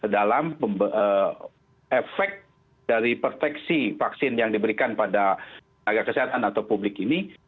dalam efek dari proteksi vaksin yang diberikan pada tenaga kesehatan atau publik ini